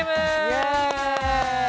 イエーイ！